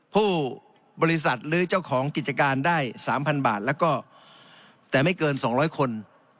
ผู้บริษัทหรือเจ้าของกิจการได้๓๐๐บาทแล้วก็แต่ไม่เกิน๒๐๐คน